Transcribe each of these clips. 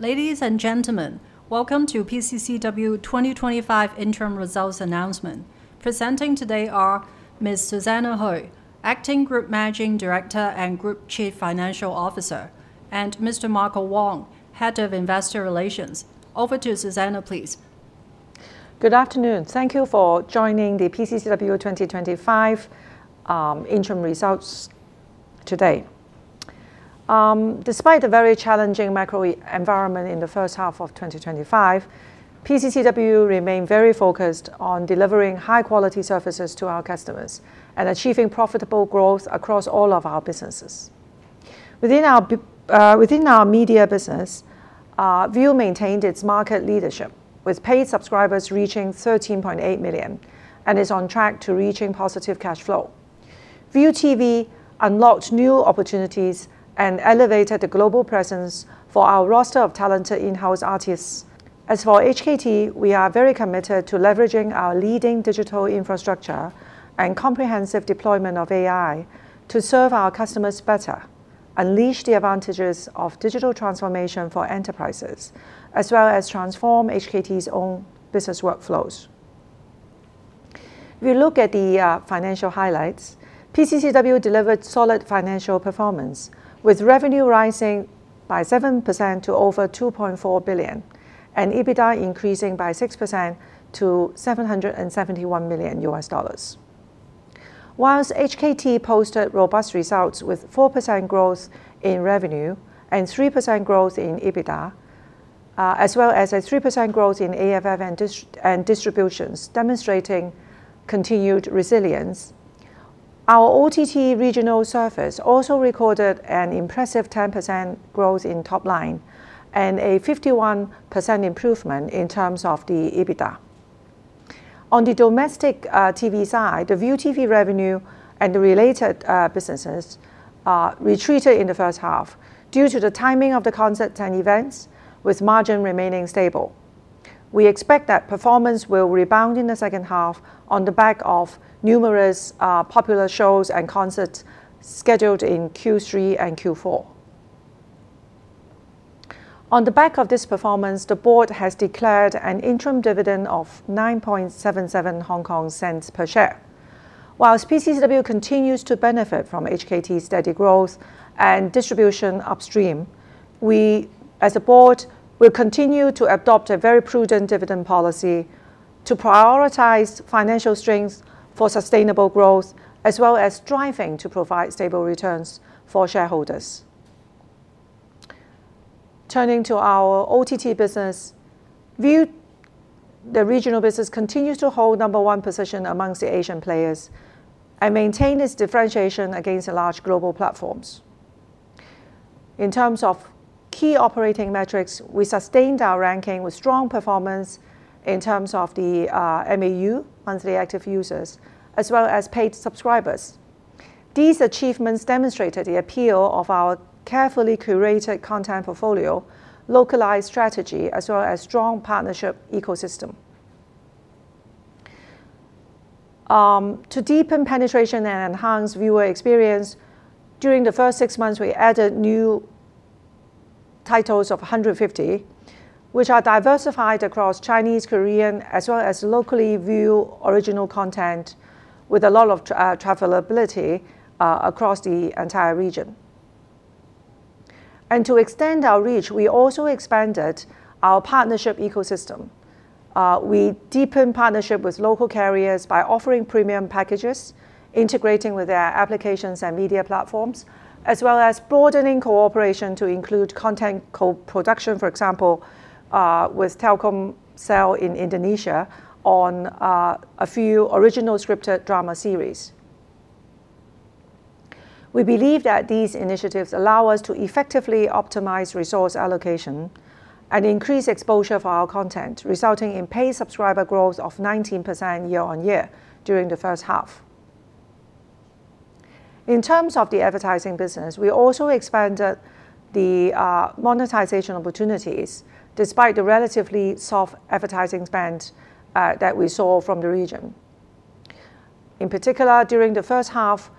Ladies and gentlemen, welcome to PCCW 2025 interim results announcement. Presenting today are Ms. Susanna Hui, Acting Group Managing Director and Group Chief Financial Officer, and Mr. Marco Wong, Head of Investor Relations. Over to Susanna, please. Good afternoon. Thank you for joining the PCCW 2025 interim results today. Despite a very challenging macro environment in the first half of 2025, PCCW remained very focused on delivering high-quality services to our customers and achieving profitable growth across all of our businesses. Within our media business, Viu maintained its market leadership, with paid subscribers reaching 13.8 million, and is on track to reach positive cash flow. ViuTV unlocked new opportunities and elevated the global presence for our roster of talented in-house artists. As for HKT, we are very committed to leveraging our leading digital infrastructure and comprehensive deployment of AI to serve our customers better, unleash the advantages of digital transformation for enterprises, as well as transform HKT's own business workflows. If you look at the financial highlights, PCCW delivered solid financial performance, with revenue rising by 7% to over HK$2.4 billion and EBITDA increasing by 6% to $771 million. Whilst HKT posted robust results with 4% growth in revenue and 3% growth in EBITDA, as well as a 3% growth in AFF and distributions, demonstrating continued resilience, our OTT regional service also recorded an impressive 10% growth in top line and a 51% improvement in terms of the EBITDA. On the domestic TV side, the ViuTV revenue and the related businesses retreated in the first half due to the timing of the concerts and events, with margin remaining stable. We expect that performance will rebound in the second half on the back of numerous popular shows and concerts scheduled in Q3 and Q4. On the back of this performance, the board has declared an interim dividend of 0.0977 per share. Whilst PCCW continues to benefit from HKT's steady growth and distribution upstream, we, as a board, will continue to adopt a very prudent dividend policy to prioritize financial strengths for sustainable growth, as well as striving to provide stable returns for shareholders. Turning to our OTT business, Viu, the regional business, continues to hold number one position amongst the Asian players and maintains its differentiation against large global platforms. In terms of key operating metrics, we sustained our ranking with strong performance in terms of the MAU, monthly active users, as well as paid subscribers. These achievements demonstrate the appeal of our carefully curated content portfolio, localized strategy, as well as a strong partnership ecosystem. To deepen penetration and enhance viewer experience, during the first six months, we added new titles of 150, which are diversified across Chinese, Korean, as well as locally Viu original content with a lot of travelability across the entire region. To extend our reach, we also expanded our partnership ecosystem. We deepened partnership with local carriers by offering premium packages, integrating with their applications and media platforms, as well as broadening cooperation to include content co-production, for example, with Telkomsel in Indonesia on a few original scripted drama series. We believe that these initiatives allow us to effectively optimize resource allocation and increase exposure for our content, resulting in paid subscriber growth of 19% year-on-year during the first half. In terms of the advertising business, we also expanded the monetization opportunities despite the relatively soft advertising spend that we saw from the region. In particular, during the first half,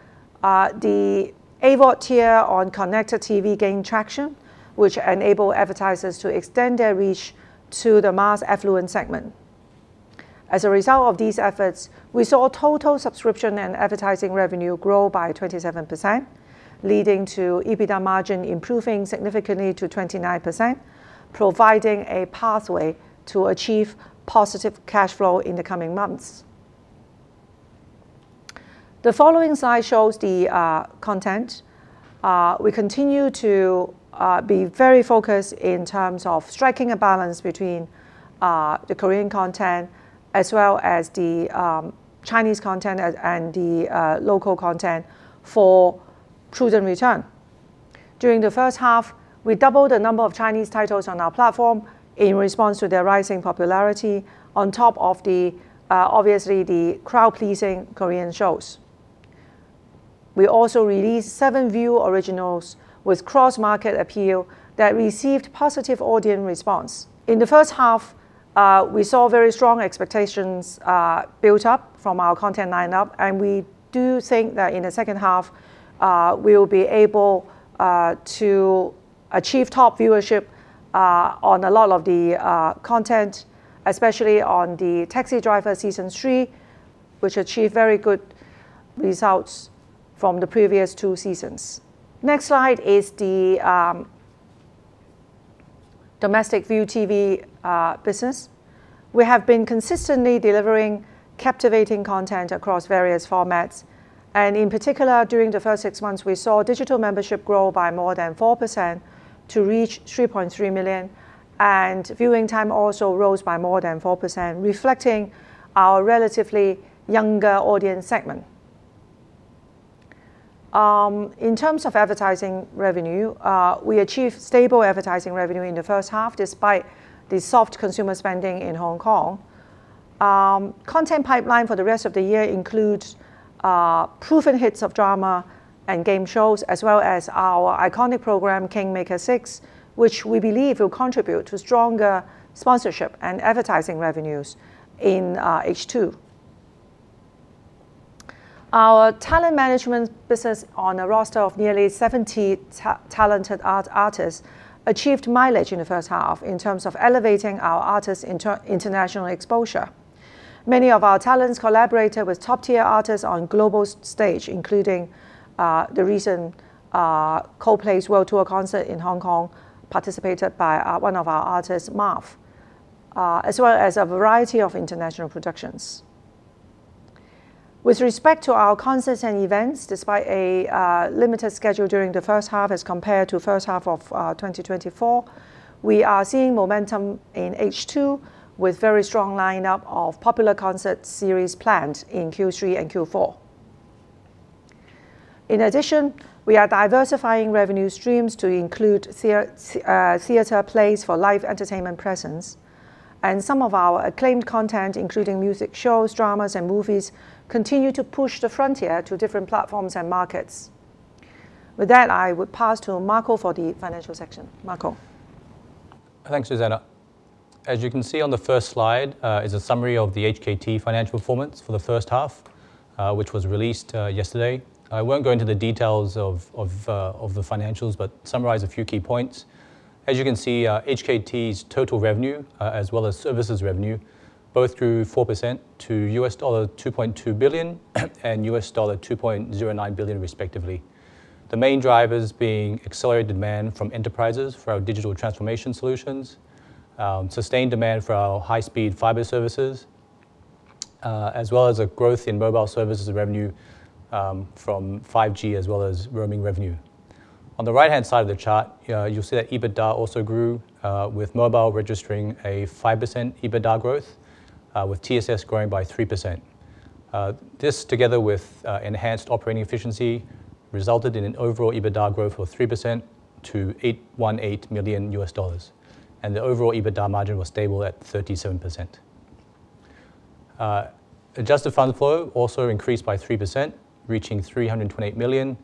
the AVOD tier on connected TV gained traction, which enabled advertisers to extend their reach to the mass affluent segment. As a result of these efforts, we saw total subscription and advertising revenue grow by 27%, leading to EBITDA margin improving significantly to 29%, providing a pathway to achieve positive cash flow in the coming months. The following slide shows the content. We continue to be very focused in terms of striking a balance between the Korean content, as well as the Chinese content, and the local content for prudent return. During the first half, we doubled the number of Chinese titles on our platform in response to their rising popularity, on top of the obviously crowd-pleasing Korean shows. We also released seven Viu Originals with cross-market appeal that received positive audience response. In the first half, we saw very strong expectations built up from our content lineup, and we do think that in the second half, we'll be able to achieve top viewership on a lot of the content, especially on the Taxi Driver Season 3, which achieved very good results from the previous two seasons. Next slide is the domestic ViuTV business. We have been consistently delivering captivating content across various formats, and in particular, during the first six months, we saw digital membership grow by more than 4% to reach 3.3 million, and viewing time also rose by more than 4%, reflecting our relatively younger audience segment. In terms of advertising revenue, we achieved stable advertising revenue in the first half despite the soft consumer spending in Hong Kong. Content pipeline for the rest of the year includes proven hits of drama and game shows, as well as our iconic program, Kingmaker 6, which we believe will contribute to stronger sponsorship and advertising revenues in H2. Our talent management business, on a roster of nearly 70 talented artists, achieved mileage in the first half in terms of elevating our artists' international exposure. Many of our talents collaborated with top-tier artists on global stage, including the recent Coldplay world tour concert in Hong Kong, participated by one of our artists, Marv, as well as a variety of international productions. With respect to our concerts and events, despite a limited schedule during the first half as compared to the first half of 2023, we are seeing momentum in H2 with a very strong lineup of popular concert series planned in Q3 and Q4. In addition, we are diversifying revenue streams to include theater plays for live entertainment presence, and some of our acclaimed content, including music shows, dramas, and movies, continue to push the frontier to different platforms and markets. With that, I would pass to Marco for the financial section. Marco. Thanks, Susanna. As you can see on the first slide, it's a summary of the HKT Limited financial performance for the first half, which was released yesterday. I won't go into the details of the financials, but summarize a few key points. As you can see, HKT Limited's total revenue, as well as services revenue, both grew 4% to $2.2 billion and $2.09 billion, respectively. The main drivers being accelerated demand from enterprises for our digital transformation solutions, sustained demand for our high-speed fiber services, as well as a growth in mobile services revenue from 5G mobile services, as well as roaming revenue. On the right-hand side of the chart, you'll see that EBITDA also grew, with mobile registering a 5% EBITDA growth, with TSS growing by 3%. This, together with enhanced operating efficiency, resulted in an overall EBITDA growth of 3% to $818 million, and the overall EBITDA margin was stable at 37%. Adjusted funds flow also increased by 3%, reaching $328 million,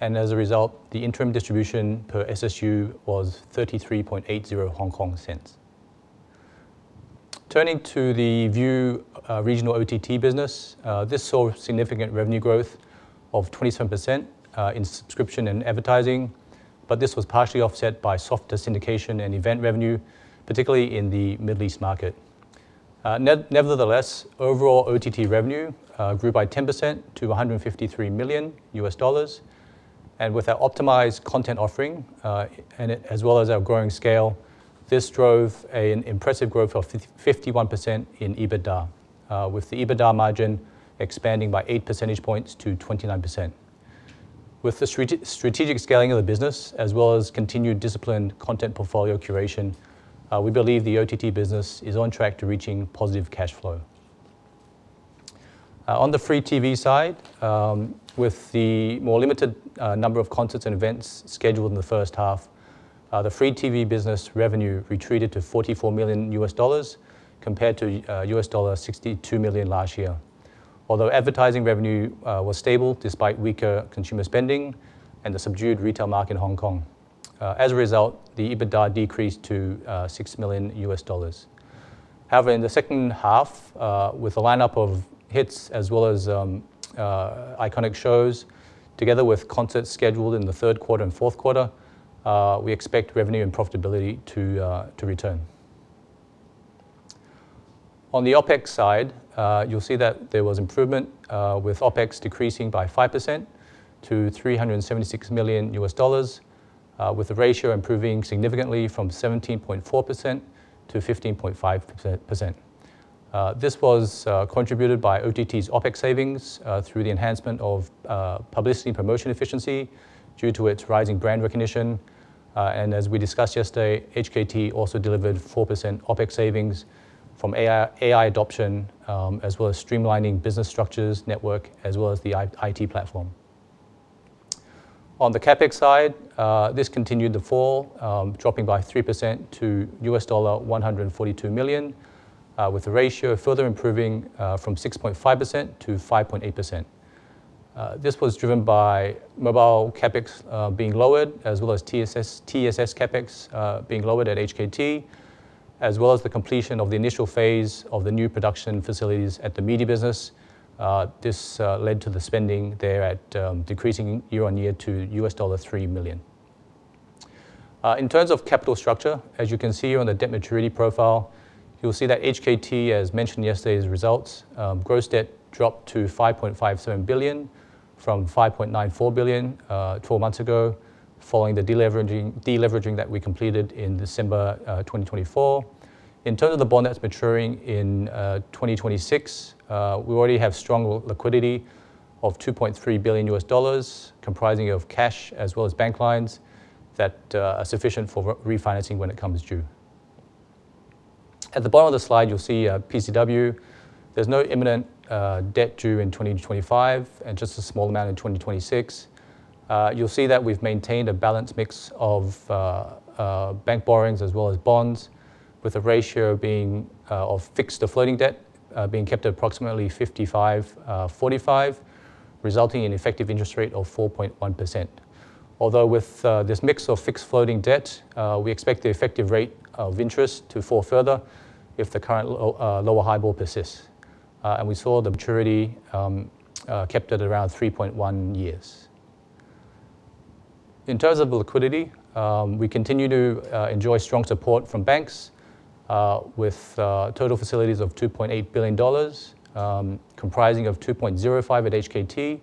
and as a result, the interim distribution per SSU was $0.338. Turning to the Viu regional OTT business, this saw significant revenue growth of 27% in subscription and advertising revenue, but this was partially offset by softer syndication and event revenue, particularly in the Middle East market. Nevertheless, overall OTT revenue grew by 10% to $153 million, and with our optimized content offering, as well as our growing scale, this drove an impressive growth of 51% in EBITDA, with the EBITDA margin expanding by 8 percentage points to 29%. With the strategic scaling of the business, as well as continued disciplined content portfolio curation, we believe the OTT business is on track to reach positive cash flow. On the free TV side, with the more limited number of concerts and events scheduled in the first half, the free TV business revenue retreated to $44 million, compared to $62 million last year, although advertising revenue was stable despite weaker consumer spending and the subdued retail market in Hong Kong. As a result, the EBITDA decreased to $6 million. However, in the second half, with a lineup of hits as well as iconic shows, together with concerts scheduled in the third quarter and fourth quarter, we expect revenue and profitability to return. On the OPEX side, you'll see that there was improvement, with OPEX decreasing by 5% to $376 million, with the ratio improving significantly from 17.4% to 15.5%. This was contributed by OTT's OPEX savings through the enhancement of publicity and promotion efficiency due to its rising brand recognition, and as we discussed yesterday, HKT also delivered 4% OPEX savings from AI adoption, as well as streamlining business structures, network, as well as the IT platform. On the CAPEX side, this continued to fall, dropping by 3% to $142 million, with the ratio further improving from 6.5% to 5.8%. This was driven by mobile CAPEX being lowered, as well as TSS CAPEX being lowered at HKT, as well as the completion of the initial phase of the new production facilities at the media business. This led to the spending there decreasing year-on-year to $3 million. In terms of capital structure, as you can see here on the debt maturity profile, you'll see that HKT, as mentioned in yesterday's results, gross debt dropped to $5.57 billion from $5.94 billion 12 months ago, following the deleveraging that we completed in December 2024. In terms of the bond that's maturing in 2026, we already have strong liquidity of $2.3 billion, comprising of cash as well as bank lines that are sufficient for refinancing when it comes due. At the bottom of the slide, you'll see PCCW. There's no imminent debt due in 2025 and just a small amount in 2026. You'll see that we've maintained a balanced mix of bank borrowings as well as bonds, with the ratio of fixed to floating debt being kept at approximately 55/45, resulting in an effective interest rate of 4.1%. Although with this mix of fixed floating debt, we expect the effective rate of interest to fall further if the current lower HIBOR persists, and we saw the maturity kept at around 3.1 years. In terms of the liquidity, we continue to enjoy strong support from banks, with total facilities of $2.8 billion, comprising of $2.05 billion at HKT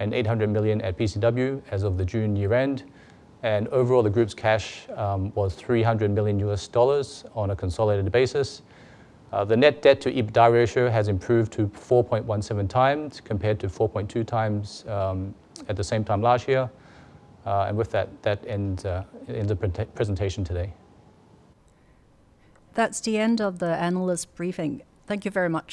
and $800 million at PCCW as of the June year-end, and overall the group's cash was $300 million on a consolidated basis. The net debt to EBITDA ratio has improved to 4.17x compared to 4.2x at the same time last year, and with that, that ends the presentation today. That's the end of the analyst briefing. Thank you very much.